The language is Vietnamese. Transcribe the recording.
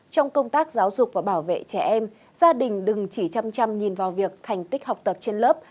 trong công tác giáo dục và bảo vệ trẻ em gia đình đừng chỉ chăm trăm nhìn vào việc thành tích học tập trên lớp